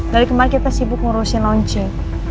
dari kemarin kita sibuk ngurusin launching